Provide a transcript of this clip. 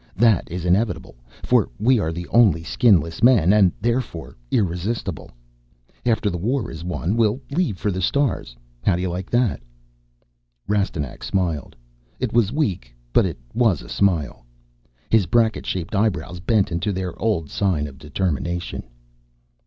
That is inevitable, for we are the only skinless men and, therefore, irresistible. After the war is won, we'll leave for the stars. How do you like that?" Rastignac smiled. It was weak, but it was a smile. His bracket shaped eyebrows bent into their old sign of determination.